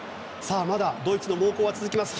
まだドイツの猛攻は続きます。